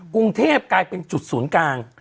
กรุงเทพกลายเป็นจุดศูนย์กลาง